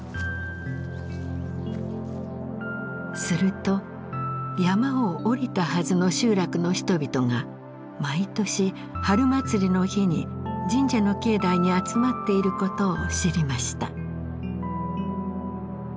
すると山を下りたはずの集落の人々が毎年春祭りの日に神社の境内に集まっていることを知りました。